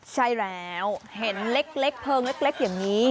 ใช่แล้วเห็นเล็กเพลิงเล็กอย่างนี้